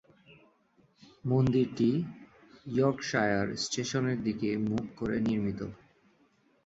মন্দিরটি ইয়র্কশায়ার স্টোনের দিকে মুখ করে নির্মিত।